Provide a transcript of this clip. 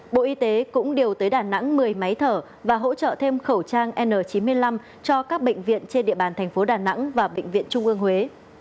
bộ y tế cũng điều tới đà nẵng một mươi máy thở và hỗ trợ thêm khẩu trang n chín mươi năm cho các bệnh viện trên địa bàn thành phố đà nẵng và bệnh viện trung ương huế